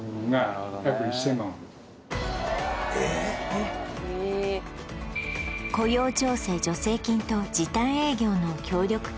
えっ雇用調整助成金と時短営業の協力金